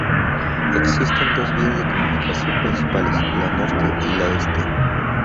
Existen dos vías de comunicación principales: la Norte y la Este.